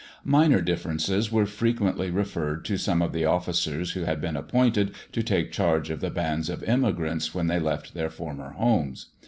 Minor differences were frequently referred to some of the officers who had been appointed to take charge of the bands of emigrants when they left their former homes.